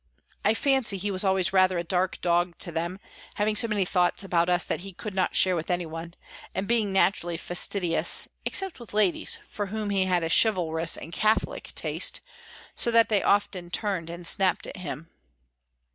I fancy he was always rather a dark dog to them, having so many thoughts about us that he could not share with any one, and being naturally fastidious, except with ladies, for whom he had a chivalrous and catholic taste, so that they often turned and snapped at him.